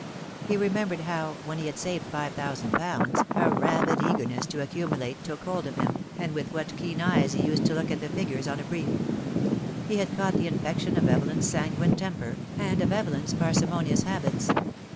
He remembered how, when he had saved five thousand pounds, a rabid j eagerness to accumulate took hold of him, and with what j keen eyes he used to look at the figures on a brief. He i had caught the infection of Evelyn's sanguine temper, and of Evelyn's parsimonious habits.